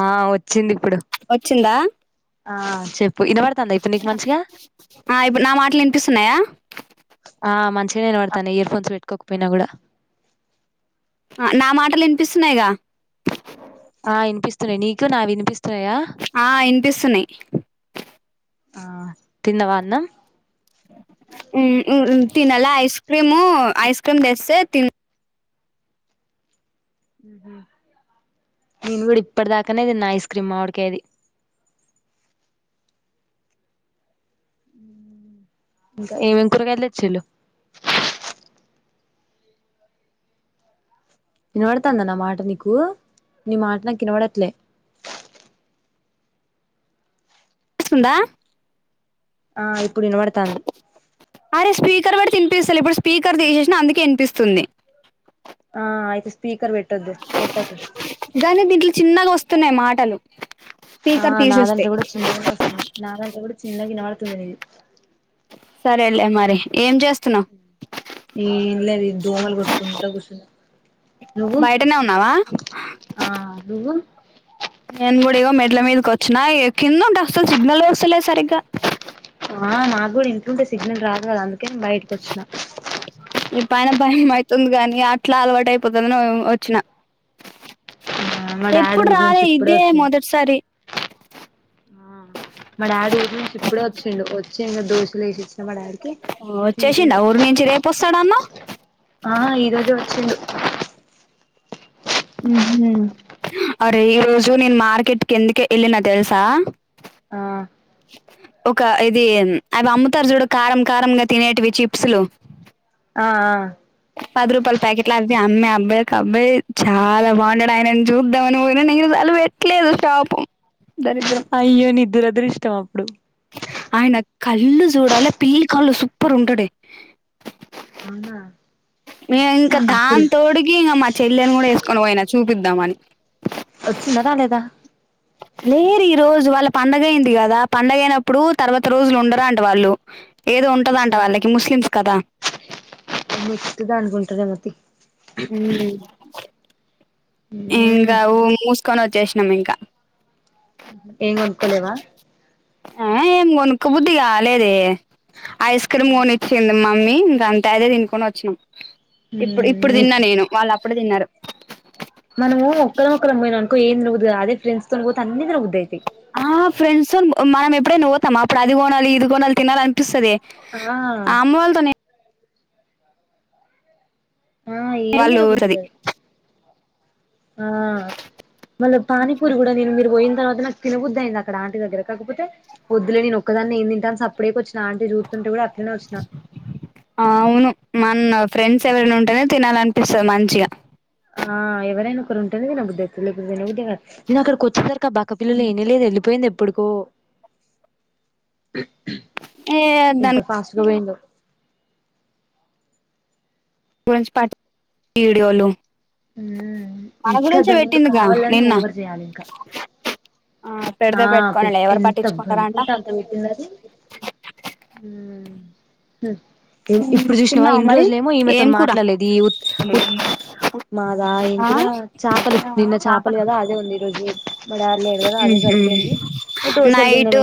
ఆ వచ్చింది ఇప్పుడు వచ్చిందా ఆ చెప్ ప్పుడు ఇనవడుతుందా ఇప్పుడు నీకు మంచిగా ఆ ఇప్పుడు నా మాటలు వినిపిస్తున్నాయా ఆ మంచి నే వినవడుతాన్నయ్ ఇయర్ఫోన్స్ పెట్టుకోకపోయినా కూడా నా మాటలు వినిపిస్తున్నాయిగా వినిపిస్తున్నాయి నీకు నా వినిపి ఆ ఇనిపిస్తున్నాయి ఆ తిన్నవా అన్నాం తినాల ఐస్ క్రీము ఐస్ క్రీమ్ తెస్తే తి మ్మ్ హ్మ్ నేను కూడా ఇప్పటి దాకానేదిన్న ఐస్ క్రీమ్ మావిడి కాయది. మ్మ్ ఇంకా ఏమేం కూరగాయలు తెచ్చిల్లు వినబడుతందా నా మాట నీకు నీ మాట నాకు వినబడట్లే పిస్తుందా ఆ ఇప్ ప్పుడు వినవడుతాంది తరువాడ్తి ఇన్పిస్తలే ఇప్పుడు స్పీకర్ తీసేస్నా అందుకే ఇన్పిస్తుంది ఆ అయితే స్పీకర్ వెట్ టద్దు పెట్టకు చిన్నగొస్తున్నయ్ మాటలు ఆ స్పీకర్ నా తీసేస్తే దాంట్లో గుడా చిన్నగనే వస్తున్నాయ్ నాదాంట్లో గుడా చిన్నగినబడుతుంది ఇది సరే లే మరి ఏం చేస్తున్నావు ఏం లేదు ఈ దోమల్ గొట్టుకుంటా కూచున్నా నువ్వు బయటనే ఉన్నావా ఆ నువ్వు నేన్ గుడా ఇగో మెడ్ల మీదకొచ్చినా ఏ కిందుంటే అసల్ సిగ్నలే వస్తలే సరిగ్గా ఆ నాగ్గూడ ఇంట్లుంటే సిగ్నల్ రాదు గదా అందుకే నేన్ బయటికొచ్చినా ఈ పైన భయం అయితుంది గాని అట్లా అలవాటై పోతదనీ వచ్చినా ఆ మా డాడీ ఎప్పుడ్ ఊరి నుంచి రాలే ఇప్పుడే ఇదే వచ్చిండు మొదట్ సరీ మ డ్యాడ్ ఊర్నుంచి ఇప్పుడే వచ్చిండు వచ్ ఇంగ దోష లేసిచ్చి మ డ్యాడ్ కీ వచ్చేసిండా తింటుండు ఊరి నుంచి రేపు వస్తాడన్నావ్ అహ ఈ రోజే వచ్చిండు ఉహూ అరే ఈ రోజు నేను మార్కెట్ ఎందుకు కె ఎళ్లినా తెల్సా ఆ ఒక ఇది అవ్ అమ్ముతార్ జుడూ కారం కారంగా తినేటివీ చిప్సులు ఆ ఆ పద్ రూపాల్ ప్యాకెట్లాద్ది అ అమ్మాయి అబ్బాయి ఒక అబ్బాయి చాలా బాగుండాడు ఆయనను జూద్దామని పోయినా నేను చలు పెట్లేదు పాప అయ్యో నీ దురదృష్టమా ఆయనక్ కల్లు జూడా లే పిల్లి కల్లు సుప్పర్ ఉంటడే అవునా మేం ఇంక చ అప్పుడు దాన్తోడికీ ఇంగ మా చెల్లెని గూడా యేస్కొని పోయినా చూప్ పైద్దామనీ వచ్చున్నరా లేదా లేరు ఈ రోజు వాళ్ళ పండగైంది గదా పండగైనప్పుడూ తర్వాత రోజులు ఉండరంట వాళ్ళు ఏదో ఉంటదంట చ వాళ్ళకి ముస్లిమ్స్ కదా నెక్స్ట్ దానికి ఉంటదేమో తీ ఉమ్ మ్మ్ ఈన్గా ఊ మూస్కొనొచ్చే నమ్మింకా ఏంగ్గొనుక్కో లేవా ఆ ఏం గొనుక్కో బుద్ధి కాలేదే ఐస్ క్రీమ్ గొనిచ్చింది మా మమ్మీ ఇంకా అంతా అయిదే తినుకని వచ్చినాం ఇప్పుడు ఇప్పుడు మ్మ్ తిన్నా నేను వాళ్ళు అప్పుడు తిన్నారు మనము ఒక్కరొక్కరం పోయి అనుకోం తినబుధి కాదే ఫ్రెండ్స్ తో పోతే అని తినబు పేది ఫ్రెండ్స్తో మనం ఎప్పుడైనావ్తాం అప్పుడు అది కొనాల ఇది కొనాలి తినాల అనిపిస్తుంద ఆ ఆ ఏం వాళ్ళు తినబుద్ది సది కాదు ఆ మల పానీపూరి కూడా నే మీరు పోయిన తర్వాత నాకు తినద్దు అంది అక్క ఆంటి దగ్గర కాకపోతే వద్దులే నే ఒదాన్ని ఏ తంట అప్పుడేచ్చ ఆ అవును మన ఫ్రెండ్స్ ఎవరైనా ఉంటేనే తినాలి అనిపిస్తారు మంచీగా ఆ ఎవరైనా ఒకరు ఉంటుంది నేను బుద్దద్ద నేను అక్కడికి వచ్చతార కా బక్క పల్లలు ఏని లేదు వెళలిపోయింది ప్పుడుకో ఏ ఎంత దాని ఫాస్ట్గాపెయిందో గురించి పట్ ఇడియోలు హ్మ్ ఇంకా దందు పెట్టిందిగా కావల్లనే నిన్న ఓవర్ చేయాలి ఇంకా ఆ పెడితే ఆ పెట్టుకోనిలే పెట్టి ఎవరు ఎంత పట్టించుకుంటారంట బలుపుంటే అంత పెట్టిందది హ్మ్ ఇప్పుడు చూసినావా తిన్నావా ఇన్ని మరి రోజులే ఏమో ఈమెతో ఏం కూర మాట్లాడలేదు ఉత్ మాదా ఏం ఆ కూర చాపలు నిన్న చాప. చాపలు కదా అదే ఉంది ఈ రోజు మ డాడీ లేడు కదా అదే సరి నైటూ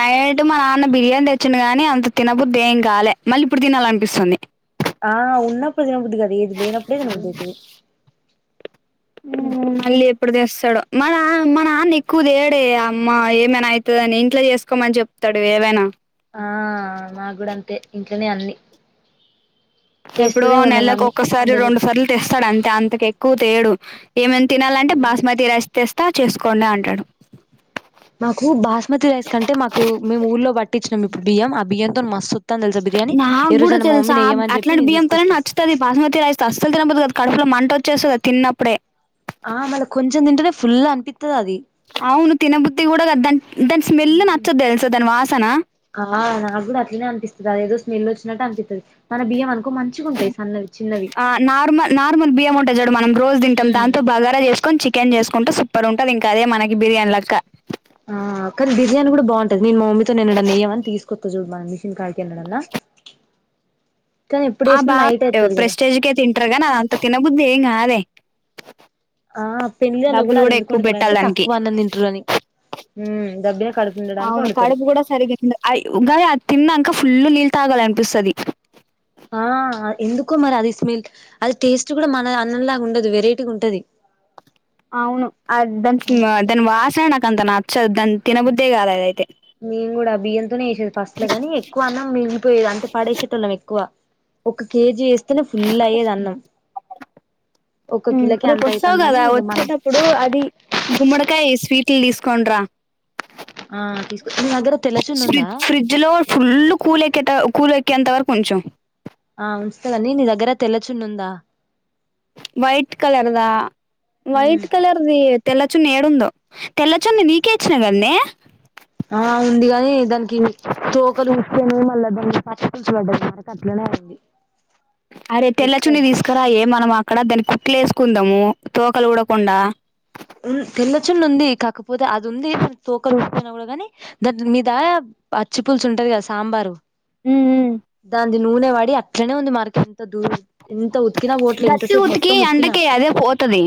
నైట్ మా నాన్న బిరియానీ తె చున్ను గాని అంత తినుబుద్దేం కాలే మళ్ళీ ఇప్పుడు తినాల అనిపిస్తుంది ఆ ఉన్నప్పుడు తినబుద్ది గా అది ఇది లేనప్పుడే తినబుద్దయితది. హ్మ్ మళ్ళీ ఎప్పుడు దేస్తాడో మన మా నాన్న ఎక్కువ తేడే అమ్మ ఏమైనా అయితదని ఇంట్లో చేసుకోమని చెప్తాడు ఏదైనా ఆ నాగ్గుడా అంతే ఇంట్లోనే అన్ని ఎప్పుడో చేస్తదేమో మా నెలలకు మమ్మీ ఒక్కసారి సండే రెండు లోపు సార్లు తెస్తాడు అంతే అంతకు ఎక్కువ తేడు అ ఏమేమి తినాలంటే బాస్మతి రైస్ తెస్తా చేసుకోండి అంటాడు మాకు బాస్మతి రైస్ కంటే మాకు మేము ఊళ్ళో బట్టిచ్చినాం ఇప్పుడు బియ్యం ఆ బియ్యంతోని మ నాగ్గుడా తెలుసా వేయమని చెప్పి అట్లాంటి నేను బియ్యంతోనే తీసుకొస్తా నచ్చుతది బాస్మతి రైస్ తో అస్సలు తినబుద్ధి కాదు కడుపులో మంట వచ్చేస్తది తిన్నప్పుడే ఆ మళ్ళ కొంచెం తింటేనే ఫుల్ అనిపిత్తది అది అవును తినబుద్ది కూడా దాన్ దాని స్మెల్ ఉమ్ నచ్చదు దెల్సా దాని వాసన ద దేదో స్మెల్ వచ్చినట్టు అనిపిత్తది మన బియ్యం అనుకో మంచిగుంటాయి సన్నవి చిన్నవి ఆ నార్మల్ నార్మల్ బియ్యం ఉంటయ్ చూడు మనం రోజు తింటాం దాంతో బగారా చేసుకొని చికెన్ చేసుకుంటే సు పర్ ఉంటది ఇంకా అదే మనకి బిర్యానీ లక్క ఆ కానీ బిర్యానీ గూడా బాంటది నేను మా మమ్మీతోని ఎనడన ఏయమని తీసుకొస్తా చూడు మ మిషన్ కాడికి ఎన్నడన్నా కానీ ఎప్పుడు ఆ చేసినా బా నైట్ అయితది కదా ప్రెస్టేజ్కె తింట్రగని అది అంత తినబుద్దేం ఏం గాదే ఆ పెళ్ళిళ్ళలో డబ్బులు అది కూడా ఎందుకు ఎక్కువ వండుతారంటే పెట్టాలి దానికి తక్కువ అన్నం తింటరు అని ఉమ్ దబ్బిన కడుపు నిండడానికి అవును వండుతరు కడుపు కూడా సరి తిన్ గదే తిన్నాక ఫుల్ ని తాగాలనిపిస్తది ఆ ఎందుకో మరి అది స్మెల్ అది టేస్ట్ కూడా మన అన్నంలాగా ఉండదు వెరేటీగ ఉంటది అవును అ దాన్ వాసనేనాకంత న చ దాని తినబుద్దే కాలేదు. అయితే మేము కూడా బియ్యంతోనే ఏసేది ఫస్ట్ లో గాని ఎక్కువ అన్నం మిగిలిపోయేది. అంటే పడేసేటోల్లం ఎక్కువ. ఒక కేజి ఎస్ ఒక కిలోకి ఊమ్ఊ రేపు అంత వస్తావు అయితుందని కదా ఇక మనం వచ్చేటప్పుడు అది గుమ్మడికాయ స్వీట్ కిల్ తీస్కోండ్రా ఆ తీసు ఫ్రిడ్జ్ ఫ్రిడ్జ్ లో ఫుల్ కూల ఎక కూల్ ఎక్కేంతవరకు ఉంచం ఆ ఉంచుత గని నీ దగ్గర తెల్లచున్నుందా. వైట్ కలర్ దా వైట్ కలర్ది తెల చున్ని ఏడుందో తెల్లచున్న నీకేచ్చిన కన్నే ఆ ఉంది గాని దానికి తోకలు ఊస్పోనే మళ్ల వ దాన్ని పచ్చిపంచబడ్డది. మరక పడ్డది అట్లనే ఉంది. అరే తెల్లచున్నీ తీసుకురా ఏ మనమా అక్కడ దాన్ని కుట్లు వేసుకుందాము. తోకలు ఊడకుండా ఉం తెల్లచున్ను ఉంది కాకపోతే అది ఉంది. తోకలు ఉస్ పోయిన కూడా కాని దా మీ దా అచ్చి పులుసు ఉంటది కదా సాంబారు ఊ ఊమ్ ఇది నూనె వడి అట్లనే ఉంది మార్క ఎంత దూ ఇంత ఉతికినా పోట్లే దతి ఇంతసేపు ఉతికి మొత్తం ఉతికినా అందుకే అదే పోతది.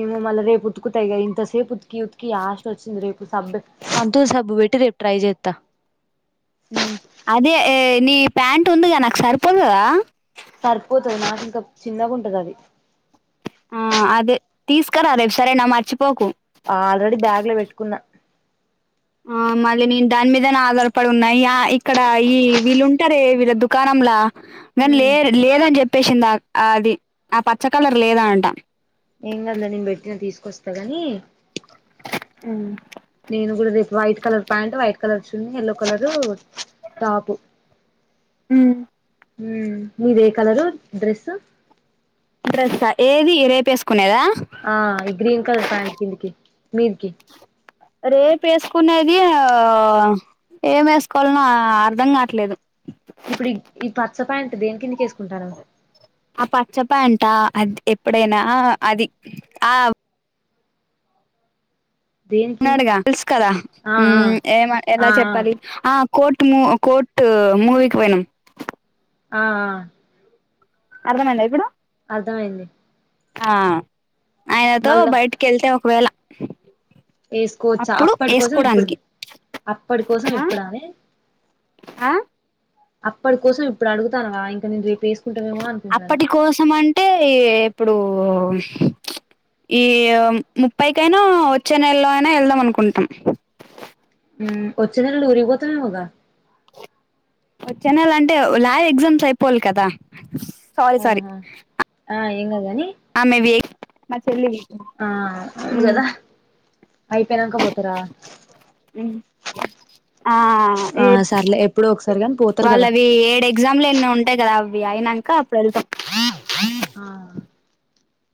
ఏమో మళ్ల రేపు ఉతుకుతా ఇగ ఇంత సేపు ఉత్ త్కి ఉతకీ యాస్ట్ వచ్చింది రేపు. సబ్బు సంతూర్ సబ్బు పెట్టి రేపు ట్రై చెత్త అదే నీ ప్యాంట్ ఉందిగా నాకు సరిపోదు కదా. సరిపోతుంది నాకు ఇంకా చిన్నగా ఉంటది అది. ఆ అదే తీసుకురా రేపు సరేనా మర్చిపోకు. ఆల్రెడీ బ్యాగ్ లో పెట్టుకున్నా. ఆ మళ్ళీ నేను దాని మీదనా ఆధారపడి ఉన్నాయిగ. ఇక్కడ ఈ వీళ్ళుంటారే వీళ్ళ దుకాణంలా నని లే ఉమ్ లేదని చెప్ప చెప్పేసిందా అది ఆ పచ్చ కలర్ లేదా అంటా ఏం కాదిలే నేను పెట్టినా తీసుకొస్తా ని అ నేను కూడా రేపు white colour pant, white colour చున్ని యల్లో కలరు టాపు ఊ హ మీదే కలరు డ్రెస్ డ్రస్ ఏది రేపేసుకునేదా. ఆ ఈ గ్రీన్ కలర్ ప్యాంట్ కిందికి మీదికి రేపు వేసుకునేది ఏం వేసుకోవాలన అర్ధం కావట్లేదు ప్యాంట దని కిందికి ఎస్కుంటారు పచ్చ ప్యాంట్ ఆ అది ఎప్పుడైనా అది ఆ దేనికి డుగా తెలుసు కదా ఆ ఆ ఏమ ఎలా ఆ చెప్పాలి ఆ కోట్ మూ కోట్టు మూవికి పోనినం ఆ ఆ అర్థమైంద ఇప్పుడు అర్థమయింది ఆ అయనతో బయటకెళ్తే ఒకవేళ వేసుకోవచ్చా అప్పుడు అప్పటి కోసం ఇప్పుడు వేసుకోవడానికి అప్పటి కోసం ఆ ఇప్పుడ అని ఆ అప్పటి కోసం ఇప్పుడు అడుగుతానువా ఇంకా నేను రేపే అప్పటి కోసం అంటే ఇప్పుడు ఈ ముప్పైకైనా వచ్చే నెలలో అయినా వెళ్దాం అనుకుంటాం వచ్చి నెలలో ఊరికి పోతనవ్ గా వచ్చనెల అంటే ల్యాబ్ ఎగ్జామ్స్ అయిపోవాలి కదా సారీ సారీ ఆహా ఆ ఏం కాదు కానీ ఆమెవి మ చెల్లి ఆ అవు కదా అయిపోయినంక పోతారా ఆ ఆ సర్లే ఎప్పుడో ఒకసారి గాని పోతారు వాళ్ళ కదా అవి ఏడు ఎగ్జామ్లు ఎన్ని ఉంటాయి కదా అవి అయినాక అప్పుడు వెళ్తా ఆ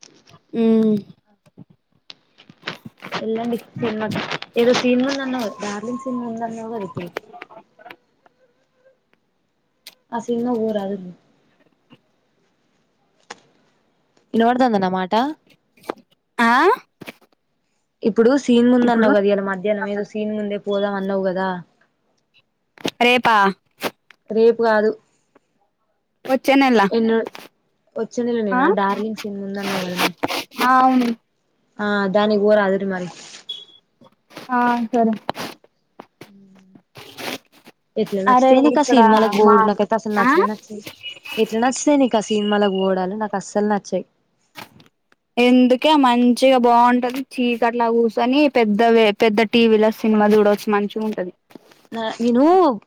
అ ఎల్లండి సినిమా కి ఏదో సినిమందన్న డార్లింగ్ సినిమా ఉందన్న కదా ఇప్పుడు ఆ సినిమాకి పోరాదు వినపడుతుందా నా మాట ఆ ఇప్పుడు సీన్ ముంద ఇప్పుడు అన్నావు కదా ఇలా మధ్యాహ్నం ఏదో సీన్ ముందే పోదాం అన్నావు కదా రేపా రేపు కాదు వచ్చే నెల అ ఎన్నో వచ్చే నెల నేనా డార్లింగ్ సీన్ ముందు అన్నావు కదనే ఆ దానికి ఓరాదురు మరి ఆ సరే ఉమ్ ఎట్ల అరే నచ్చితయ్ నీక ఇక్కడ సినిమాలకు మా బోవుడు నాకైతే అసలు ఆ నచ్చనే నచ్చదే ఎట్లనచ్చితాయ్ నీకా సినిమాలకి పోవుడాలు నాకు అస్సల్ న. ఛె ఎందుకే మంచిగ బాంటది చీకట్ల గూసోని పెద్దవి పెద్ద టీవీలో సినిమా సూడొచ్చు మంచిగుంటది. నా నేను మ్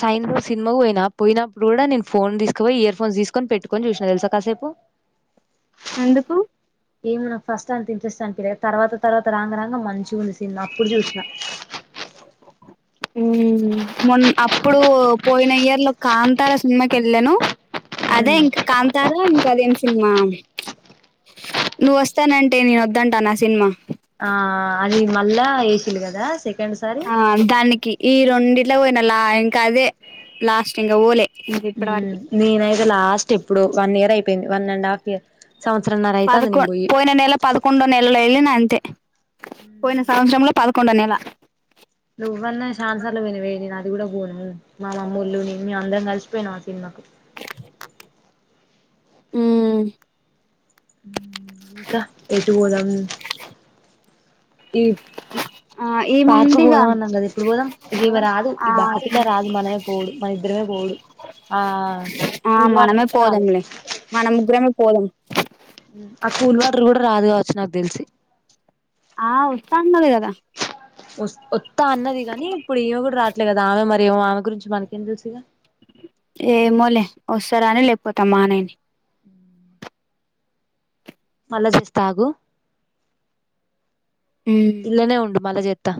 సైన్బో సినిమక్ బోయ్న. నా పోయినప్పుడు గూడా నేను ఫోన్ దీస్కబొయ్ ఇయర్ ఫోన్స్ దీస్కొని పెట్టుకొన్ జూష్న తెల్సా కాసేపు. అందుకు ఏమ్ నాక్ ఫస్టంత ఇంట్రెస్ట్ అనిపీలేదు తర్వాత తర్వాత రాంగ రాంగ మంచిగుంది సీను అప్పుడు జూష్న. ఉమ్ మొన్ అప్పుడు పోయిన ఇయర్ లో కాంతార సినిమాకెళ్ళాను. అదే ఇంక కాంతారా ఇం కదేం సిన్మా నువ్వొస్తానంటే నేనొద్దంటానా సిన్మా. ఆ అది మళ్ళా యేషిల్ కదా సె. ఆ దాన్ కి ఈ రొండి ఇట్ల బోయినొల్లా ఇంక అదే లాస్ట్ ఇంగ ఓలే ఉమ్ నేనైతే లాస్ట్ ఎప్పుడు వన్ ఇయరై. పెయ్ంది వన్ అండ్ హాఫ్ ఇయర్ సంవత్సరంన్నర అయితాంది పదకొ నేను పోయి పోయిన నెల పదకొండో నెలలో ఎళ్ళిన అంతే పోయిన సంవత్సరంలో పద్ కుండ నెల నువ్వన్న శాన్సార్లు పొయ్నవే నేనద్. అది గూడా బోను మామమ్మోళ్ళు నిన్నే అందరం కలిసిపొయ్ నామ్ సినిమాకు. ఉమ్ ఉమ్ ఇంకా ఎటు బోదాం. ఇ ఆ పార్కు ఈముందిగా పోదామన్నం గద ఎప్పుడు పోదాం ఇది ఇవ రాదు ఆ ఈ బక్కకిల్ల రాదు మనమే పోవుడు మన ఇద్దరమే పోవుడు ఆ ఆ కూల్ వాటర్ కూడ రాదు. పోదం ఉమ్ ఆ కూల్ వాట్ర్ గూడ రాదు గావచ్చు నాక్ దెల్సి. ఆ వస్తా అన్నది కదా వైస్ వొత్తా అన్నది గానీ ఇప్పుడు ఈమె గూడ రాట్లేదు కదా ఆమె మ. గురించి మనకేం దెల్సిగ వొస్తేరాని లేకపోతే మానెయ్ని ఉమ్ మళ్లొసెస్ తాగు ఇల్లనే ఉండు మళ్ళ జేత్తా.